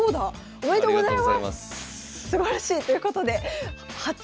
ありがとうございます。